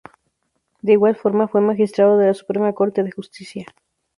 De igual forma fue magistrado de la Suprema Corte de Justicia.